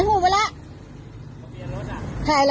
เค้าไปละ